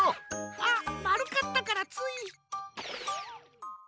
あっまるかったからつい。